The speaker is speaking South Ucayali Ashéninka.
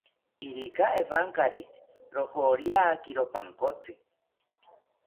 Irika ewankari rojoriakiro pankotsi